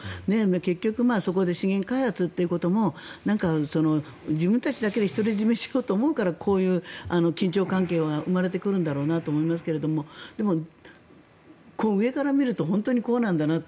結局そこで資源開発ということも自分たちだけで独り占めしようと思うからこういう緊張関係が生まれてくるんだろうなと思いますがでも、上から見ると本当にこうなんだなと。